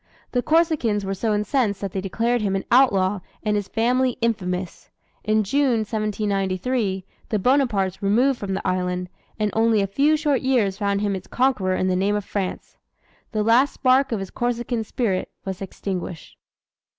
The Corsicans were so incensed that they declared him an outlaw and his family infamous. In June, 1793, the Bonapartes removed from the island; and only a few short years found him its conqueror in the name of France. The last spark of his Corsican spirit was extinguished.